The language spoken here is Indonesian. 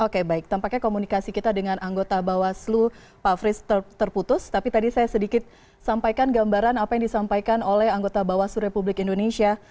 oke baik tampaknya komunikasi kita dengan anggota bawaslu pak fris terputus tapi tadi saya sedikit sampaikan gambaran apa yang disampaikan oleh anggota bawaslu republik indonesia